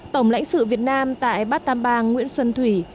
tổng lãnh sự việt nam tại bát tam bang nguyễn xuân thủy